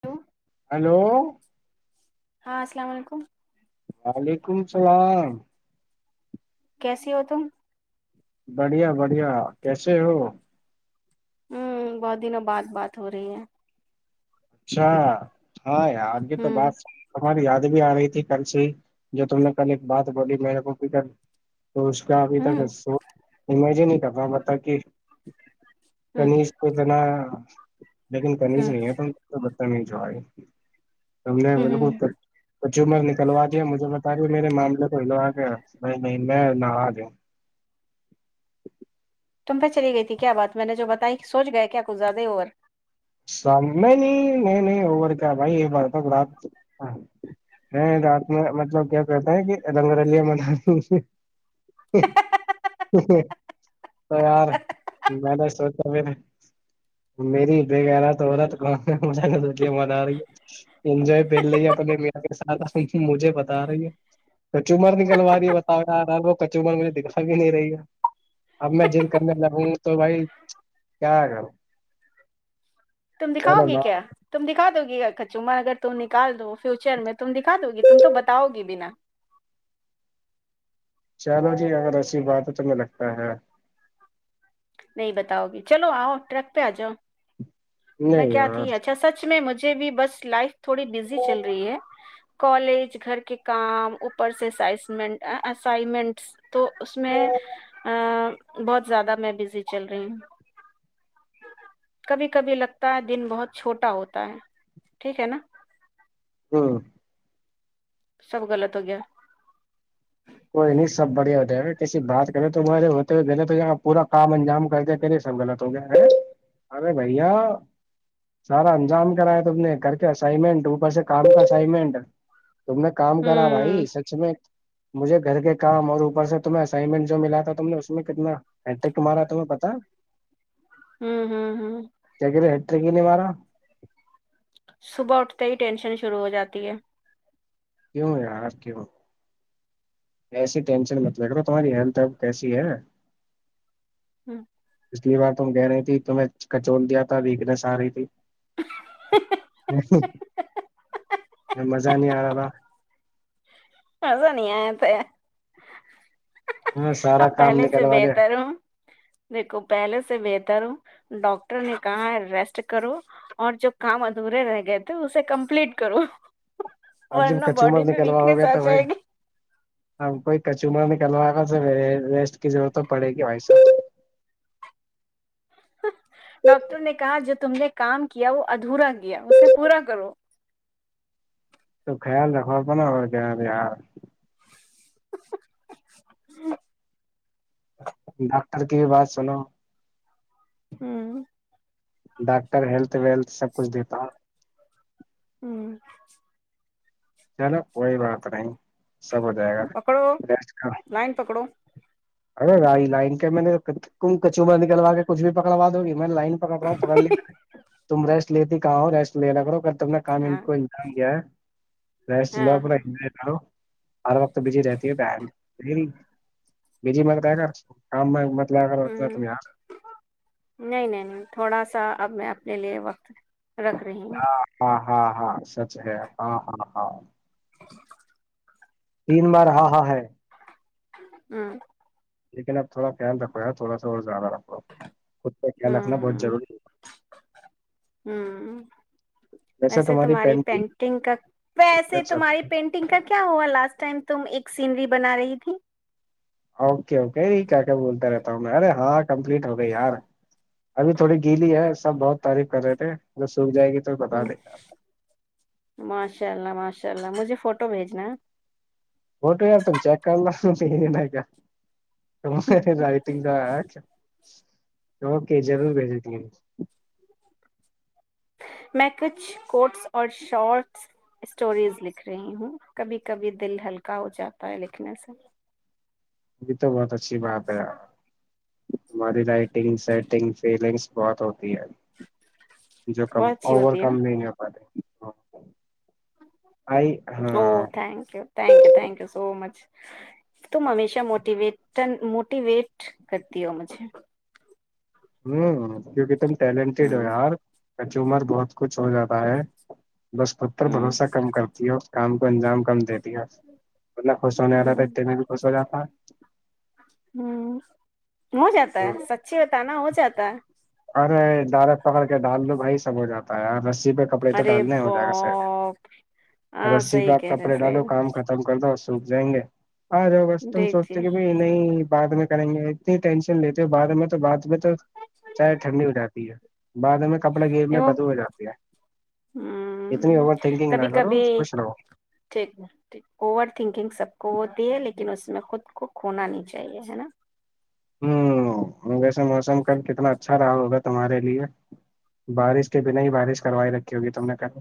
hello hello ہاں السلام علیکم وعلیکم السلام کیسی ہو تم بڑھیا بڑھیا کیسے ہو ہوں بہت دنوں بعات بات ہو رہی ہے اچھا ہاں آجگے تو ہوں بات ہماری یاد بھی آ رہی تھی کل سے جو تم نے کل ایک بات بولی میرے کو بھی تو اس کا ابھی تک ہوں سو مھے نہیں کر رہ پتا کہ ہوں کنیش کوتنا لیکن کمی ہوں نہیں ہے پ تو بت نہیں جو آ ہے ت نے ہوں ہوں بالکل کچمر نکلوا دیا مجھے بتا رہی ہ میرے معاملے کو ہلوا گیا نہیں نہیں میں نہ آ جا تم پھر چلی گئی تھی کیا بات میں نے جو بتائی سوچ گیا کیا کھ زیادہ ہو اور س نہیں م نہیں کیا بھائی یہ بار رات رات میں مطلب کیا کہتا ہے کہ رگلیا میں ہ ہ ہ تو یار میں نے سوچا پ میری [unintelligible] با تو رہ م رہی ہے انجو کر لی ہے اپنے م کے ساتھ مجھے بتا رہی ہے کچ مر نکلوا رہی ہے بتا آ رہا وہ کچ مر مجھے دکھا بھی نہیں رہی ہے اب میں جد کرنے لاوںں تو بھائی کیا کروں [unintelligible] تم دکھاؤ چلو گی نا، کیا تم دکھا دو گی کچوما اگر [unintelligible] تم نکال دو فیوچر میں تم دکھا د گی تم تو بتاؤ [unintelligible] چلو جٹ اگر ایچھی بات ہے تیں لگتا ہے [unintelligible] نہیں بتاؤ گی چلو آؤ ٹرک پہ آ جاؤ [unintelligible] میں نہیں کیا یار تھی اچھا سچ میں مجھے [unintelligible] ج بھی بس لائک [unintelligible] تھوڑی بزی چل رہی ہے [unintelligible] کالج گھر کے کام اوپر سے اسمنٹ اسائنمنٹس [unintelligible] تو اس میں [unintelligible] بہت زیادہ میں بزی [unintelligible] چل رہی ہ کبھی کبھی لگتا ہے دن بہت چھوٹا ہوتا ہے ٹھیک ہے نا [unintelligible] ہاں [unintelligible] سب غلط ہو گیا [unintelligible] کوئی نہیں سب بڑھیا ہوتے ا کسی بات کریں توے ہوتے ہوئے غلط ہو پورا کام انجام کر د کرے سب غلط ہو گیا ارے بھیا سارا انجام کرایا تم نے کر کے اسائنمنٹ اوپر سے کام کا اسائنمنٹ [unintelligible] تم نے کام کرا ہوں بھائی سچ میں [unintelligible] مجھے گھر کے کام اور اوپر سے تمہیں اسائنمنٹ جو ملا تھا تم نے اس میں کتناٹک مارا تمہیں پتا [unintelligible] ہوں ہوں ہوں [unintelligible] یک نہیں مارا [unintelligible] صبح اٹھتے ہی ٹینشن شروع ہو جاتی ہے [unintelligible] کیوں یار کیوں ایسی ٹینشن متلب کرو تمہاری ہیل کیسی ہے [unintelligible] ہوں [unintelligible] پچھلی بار ت ہم کہہ رہی تھی تویں کچول دیا تھا ویکنیس آ رہی تھی [unintelligible] مزہ نہیں آ [unintelligible] ب [unintelligible] مزا نہیں آ تو ہاں [unintelligible] سارا اب کام پہلے سے نکلوا لے بہتر ہ دیکھو پہلے سے بہتر [unintelligible] ڈاکٹر نے کہا ریسٹ کرو اور جو کام ادھورے رہ گئے تھے اسے کمپلیٹ کرو [unintelligible] اب جب ورنہ کچو مر باڈی میں نکلوا ویکنیس ہوگیا آ تو [unintelligible] کوئی جائے گی ہ کوئی کچوما میں [unintelligible] کلوا ریسٹ کی ضرورت تو پڑے گی و [unintelligible] ڈاکٹر نے کہا جو تم نے کام کیا وہ ادھورا کیا اسے پورا کرو [unintelligible] تو خیال رکھو پ ن ہو جار ہار [unintelligible] ج [unintelligible] ڈاکٹر کی بھی بات سناو [unintelligible] ہوں [unintelligible] ڈاکٹر ہیلتھ ویلتھ سب کچھ دیتا ہ [unintelligible] ہوں [unintelligible] چلو کوئی بات نہیں [unintelligible] سب ہو جائے گا پکڑو بیٹ کا لائن پکڑو [unintelligible] ارے رائی لائن کے میں نےم کچوبر نکلوا کے کچھ بھی پکڑوا دوی [unintelligible] میں لائن پکڑ رہا ہوں پکڑ لنے میں تم ریسٹ [unintelligible] لیتی کہاو ریٹ لے رکھ کرو کر [unintelligible] تو اپنا کام ان ہاں کو گیا ہے [unintelligible] ر ہاں چو ہاں پورا ہ [unintelligible] ہر وقت بجی رہتی ہے ب [unintelligible] بجی مت رہ کر کام [unintelligible] ہ ہے تم یار نہیں نہیں نہیں تھوڑا سا اب میں [unintelligible] لے لیے وقت [unintelligible] رکھ رہے ہیں ہاں [unintelligible] ہاں ہاں سچ ہے ہاں ہاں ہاں [unintelligible] تین بار ہ ہاں ہے [unintelligible] ہوں [unintelligible] لیکن اب تھوا خل رکھوا تھوڑا اور زیادہ رہا [unintelligible] خود کا خیال رکھنا ہوں بہت ضروری ہے [unintelligible] [unintelligible] ہوں ویسے تمہاری پینٹنگ کا ویسے اچھا تمہاری پینٹنگ کا کیا ہوا لاسٹ ٹائم [unintelligible] [unintelligible] تم ایک سینری بنا رہی تھی [unintelligible] [unintelligible] اوکے اوکے کیا کیا بولتا رہتا ہوں میں ارے ہاں کمپلیٹ ہو گئی یار ابھی تھوڑی گیلی ہے سب بہت تعریف کر رہے تھے [unintelligible] تو ہ بتا دیں گے ماشاء اللہ ماشاءلہ [unintelligible] انشاء اللہ مجھے فوٹو بھیجنا ہے [unintelligible] بوٹ ہتن چکاالنائکا [unintelligible] آئی ت [unintelligible] [inaudible] [unintelligible] تووک جب بھیج دیتیے [unintelligible] میں کچھ کوٹس اور شارٹس سٹوریز لکھ رہی ہوں کبھی کبھی دل ہلکا ہو جاتا ہے لکھنے سے [unintelligible] اب تو بات [unintelligible] [unintelligible] اچھی بات ہے یار [unintelligible] [unintelligible] ہماری رائٹنگ سیٹنگ فیلنگس بہت ہوتی [unintelligible] جو کم بہت اچھی اوور ہوتی ہے کم نا نہیں نہیں ہو پاتے [unintelligible] [unintelligible] آئی او ہاں ہ thank you thank you thank you so مچ [unintelligible] [unintelligible] تم ہمیشہ موٹیویٹ موٹیویٹ کرتی ہو مجھے [unintelligible] ہوںک ت [unintelligible] [unintelligible] ٹیلنٹیڈ ہ ہو یار [unintelligible] [unintelligible] کچ عمر بہت [unintelligible] [unintelligible] س کچھ ہو جاتا ہے [unintelligible] دس پتر ہ بھروسہ کم کرتی ہو [unintelligible] [unintelligible] کام کو انجام کم د [unintelligible] [unintelligible] مطلب خوش ہونے جا تھا ہ ا میں بھی خوش ہو جاتا ہے ہ ہو جاتا [unintelligible] [unintelligible] ہ ہے سچی بتانا ہو جاتا ہے ارے ڈال پکڑ کے ڈال ل بھائی سب ہو جاتا [unintelligible] [unintelligible] ت [unintelligible] [unintelligible] رسی پہ کپڑے تو ارے ڈالنا ہو جائے گا باپ سڈ ہاں رسی پہ صحیح آپ کہہ رہے کپڑے صحیح ڈالو رہے کام ختم کر دو ص [unintelligible] [unintelligible] جائیں گے [unintelligible] [unintelligible] آاں ج بسم دیکھیے سوتی کی بھی نہیں [unintelligible] بع میں کریں گے اتنی ٹینشن [unintelligible] [unintelligible] لیتے بع میں تو بات میں [unintelligible] [unintelligible] چاہے ٹھنڈی ہو جاتی ہے [unintelligible] [unintelligible] میں کپڑے گیب میں وہ بدو ہو جاتی ہے ہ اتنی اوور تھنکنگ کبھی نہ کرو کبھی خوش رہو ٹھیک اوور تھنکنگ سب کو ہوتی ہے لیکن [unintelligible] [unintelligible] لیکن اس میں خود کو کھونا نہیں چاہیے ہے نا [unintelligible] [unintelligible] ہوں ویسے موسم ک کتنا اچھا رہا ہوگا تمہارے لیے بارش کے بنا ہی بارش کروائی رکھی ہوگی تم نے ک [unintelligible] [unintelligible]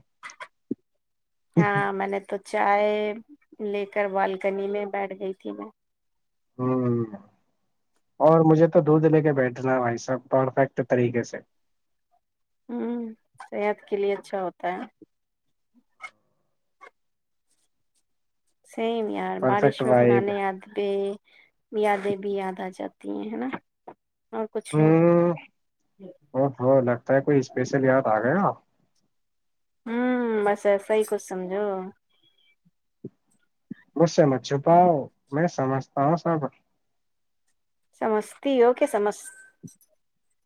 ہاں میں نے تو چائے لے کر بال [unintelligible] [unintelligible] کنی میں بیٹھ گئی تھی میں [unintelligible] [unintelligible] ہ اور مجھے تو دھ لے کے بیٹھنا ہے بھائی سب پرفیکٹ طریقے سے [unintelligible] [unintelligible] ہوں صحت کے لیے اچھا ہوتا ہے [unintelligible] [unintelligible] سم اور بارش پرفیکٹ و پوران وائب آدب [unintelligible] [unintelligible] یادیں بھی یاد آ جاتی ہیں ہے نا [unintelligible] [unintelligible] ہ لوگ ا ہو لگتا ہے کوئی اسپیشل یاد آ گیا [unintelligible] [unintelligible] ہوں بس سی کچھ سمجھو [unintelligible] [unintelligible] مجھ سے مت چھپاؤ میں سمجھتا ہوں سب [unintelligible] [unintelligible] سمجھتی ہو کہ سمج [unintelligible] [unintelligible]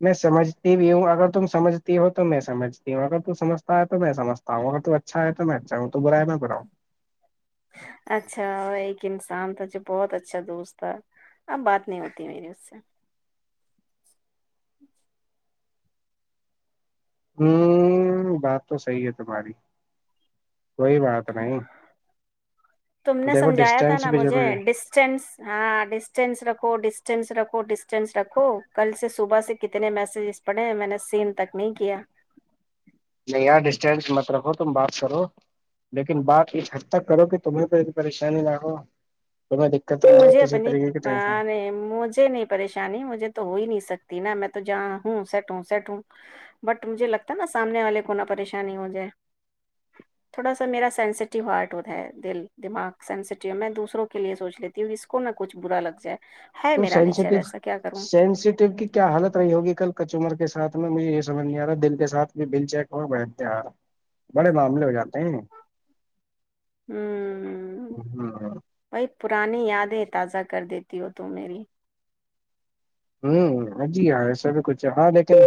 میں سمجھ بھی ہوں اگر تم سمجتی ہو تو میں سمجھتی ہوں اگر تو سمجھتا ہے تو میں سمجھتا ہوں اگر تو اچھا ہے تو میں اچھا ہوں تو برا ہے میں برا ہوں [unintelligible] اچھا اور ایک انمسان تھا جو بہت اچھا دوست تھا اب بات نہیں ہوتی میری اس سے [unintelligible] [unintelligible] ہوں بات تو صحی ہے تمہاری کوئی بات نہیں [unintelligible] [unintelligible] تم نے دیکھو سمجھایا تھا ڈسٹینس نا بھی مجھے ضروری ہے ڈسٹینس ہاں ڈسٹینس رکھو ڈسٹینس رکھو [unintelligible] کو ڈسٹینس رکھو کل سے صبح سے کتنے میسجز پڑھے ہیں میں نے سیم تک نہیں کیا [unintelligible] نہیں یار ڈسٹینس مت رکھو تم بات کرو لیکن بات اس حد تک کرو کہ تمہیں کو پریشانی نہ ہو تمہیں دقت نہ نہیں ہو مجھے کسی اپنی طریقے کی ٹینشن مجھے نہیں پریشانی مجھے تو ہو ہی نہیں سکتی [unintelligible] [unintelligible] نا میں تو جاں ہوں سیٹ ہوں سیٹ ہوں بٹ مجھے لگتا ہے نا سامنے والے کو نہ پریشانی ہو جائے تھوڑا سا میرا سینسٹیو ہارٹ ہوتا ہے دل دماغ سینٹیو میں دوسروں کے لیے سوچ لیتی [unintelligible] [unintelligible] ت اس کو نہ کچھ برا لگ جائے [unintelligible] [unintelligible] تو میرا نیچر سینسیٹیو ایسا کیا کروں سینسیٹیو کی کیا حالت رہی ہوگی کل کچمر کے ساتھ [unintelligible] [unintelligible] میں مجھے یہ سمجھ نہیں آ رہا دل کے ساتھ میں بل چیک ہوا بٹھتے رہ [unintelligible] [unintelligible] بڑے معاملے ہو جاتے ہیں ہ ہ ہوں [unintelligible] بھائی پرانی یادیں تازہ کر دیتی ہو تو میری [unintelligible] ہوںیار ہے سب کچھ ہے ہاں لیکن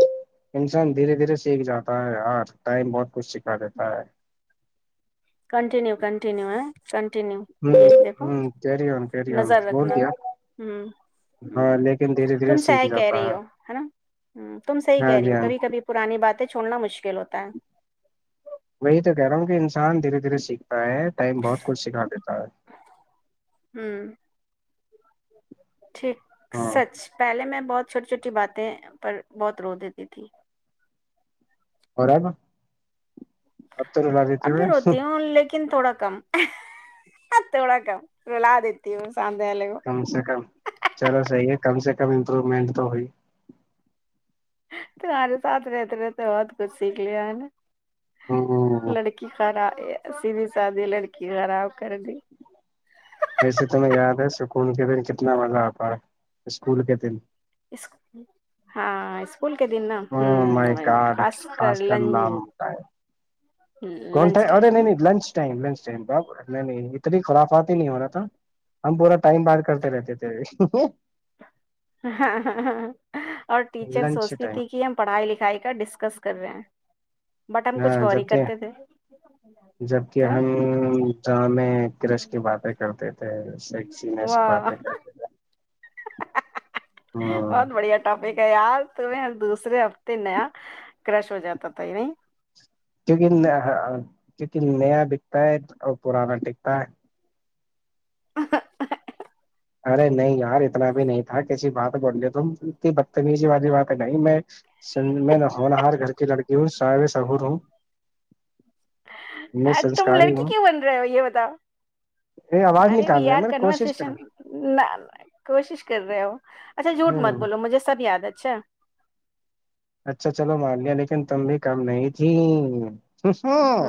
انسان دھیرے دھیرے سیکھ جاتا ہے یار ٹائم بہت کچھ سکھا دیتا ہے [unintelligible] کنٹینیو کنٹو [unintelligible] ہ یہ دیکھو ہ کیری آن کیری آن نظر بول رکھنا دیا ہ ہاں لیکن دھیرے دھیرے تم سے سیکھ کہہ جاتا رہی ہو ہے نا تم سے ہی ہاں کہہ رہی جی ہو ہاں کبھی کبھی پرانی بات [unintelligible] چھوڑنا مشکل ہوتا ہے [unintelligible] وہی تو کہہ رہا ہوں کہ انسان دھیرے دھیرے سیکھتا ہے ٹائم بہت کچھ سکھا دیتا ہے [unintelligible] ہاں [unintelligible] ٹھیک ہاں سچ پہلے میں بہت [unintelligible] چھوٹی چھوٹی باتیں پر بہت روک دیتی تھی [unintelligible] اور رہا گ [unintelligible] اب بھی روتی ہوں لیکن تھوڑا کم [unintelligible] آ تھوڑا کاا ر ل دیتی ہو [unintelligible] کم سے کم چلو صحیح ہے [unintelligible] کم سے کم امپروومنٹ تو ہوئی [unintelligible] تمہارےاتھ رہتے رہتے بہت کچھ سیکھ لیا ہے ہ لڑکی خانا س بھی شادی لڑکی خراب کر دی ویسے ت میں یاد ہے س کون کے دن کتنا مزہ آتاا ہے اسکول کے دن ہاں اس اسکول کے دن نا مائ کارڈ خاص کر لام لنچ کونم ارے ٹائم نہیں نہیں نا لنچ ٹائم لنچ ٹم ب نہیں اتنی خلافات ہی نہیں ہو رہا تھا ہم پورا ٹائم بار کرتے رہتے تھے اور ٹیچر لنچ سوچتی ٹائم تھی کہ ہم پڑھائی لکھائی کا ڈسکس کر رہے ہیں بٹ ہم کچھ ہاں غوری جبک کرتے تھے جبک نا ہم گاں میں کرش کی باتیں کرتے تھے شش نش پات واہ کرتے ہ بہت بڑھیا ٹاپک کیا ار تمہیں ہر دوسرے ہفتے نیا کرش ہو جاتا تھا ہی نہیں کیونک کیونک نیا بکتا ہے اور پرانا بکتا ہے ہ [inaudible] ارے نہیں گا اتنا بھی نہیں تھا کسی بات بول تم انی بدتمیزی والی باں پ ہے نہیں میں میں ہونا ہر گھر [unintelligible] لڑکی ہوں ساائے سہور ہوں میں آ، تم سنسکاری لڑکی ہوں کیوں بن رہے ہو یہ بتاؤ ا آواز نکالنے میں کوشش کرا [unintelligible] نہ کوشش کر رہے ہو اچھا جھوٹ ہوں مت ہوں، بولو مجھے سب یاد اچھیا [unintelligible] چ [inaudible] [unintelligible] اچھا چلو مان لیا لیکن تم بھی کم نہیں تھی [unintelligible] ہ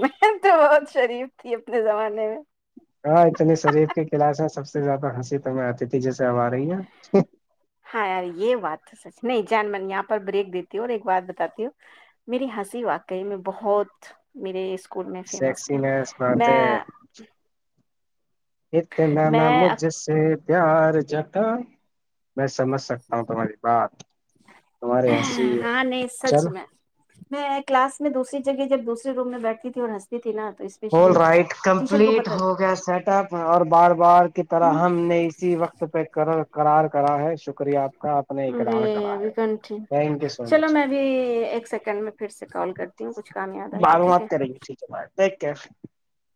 میں تو بہت شریف تھی [unintelligible] زمانے میں [unintelligible] ہاں اتنی شریف کے کلاس ہیں سب سے زیادہ ہنسی تو آتی تھی جیسے اب آ رہی ہیں [unintelligible] ہاں یار یہ بات سچ نہیں جان من یہاں پر بریک دیتی ہوں اور ایک بات بتاتی ہوں میری ہنسی واقعی میں بہت میرے اس [unintelligible] اسکول میں فیمس تھی سیکسینس بات میں [unintelligible] اتے ن ن میں مجس [unintelligible] یار ج میں سمجھ سکتا ہوں تمہاری بات [unintelligible] تمہاری ہنسی ہاں نہیں چل سچ میں [unintelligible] میں کلاس میں دوسری جگہ جب دوسری روم میں بیٹھتی تھی اور ہنستی تھی نہ [unintelligible] آلرائٹ کمپلیٹ ہو گیا سیٹ اپ اور بار بار کی طرح ہم نے اسی وقت پہ کرو [unintelligible] کررار کرا ہے شکریہ [unintelligible] ارے اقرار کرا ابھی ہے کرنی تھی تھینک یو سو چلو مچ میں بھی ایک سیکنڈ میں پھر سے کال کرتی ہوں کچھ کام یاد آ گیا ٹھیک ہے [unintelligible] کے [unintelligible]